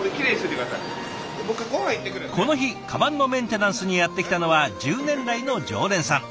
この日カバンのメンテナンスにやって来たのは１０年来の常連さん。